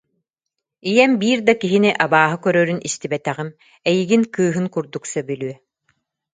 Ийэм биир да киһини абааһы көрөрүн истибэтэҕим, эйигин кыыһын курдук сөбүлүө